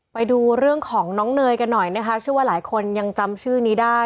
ไปดูเรื่องของน้องเนยกันหน่อยนะคะชื่อว่าหลายคนยังจำชื่อนี้ได้